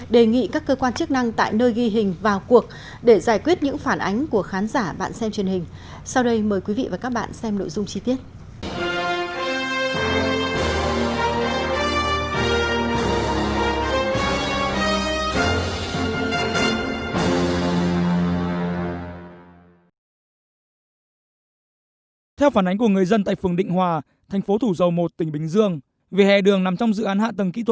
đề nghị các cơ quan chức năng tại nơi ghi hình vào cuộc để giải quyết những phản ánh của khán giả bạn xem truyền hình